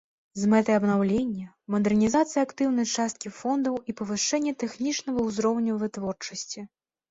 З мэтай абнаўлення, мадэрнізацыі актыўнай часткі фондаў і павышэння тэхнічнага ўзроўню вытворчасці.